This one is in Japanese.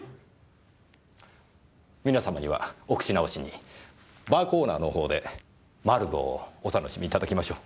皆様にはお口直しにバーコーナーのほうで「マルゴー」をお楽しみいただきましょう。